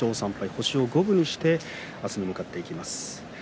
星を五分に戻して明日に向かっていきます。